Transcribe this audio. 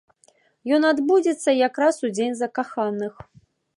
Ён адбудзецца якраз у дзень закаханых.